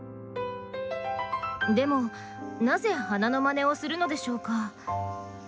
でもなぜ花のマネをするのでしょうか？